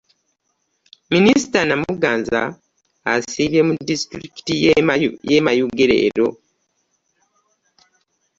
Minisita Namuganza asiibye mu disitulikiti y'e Mayuge leero.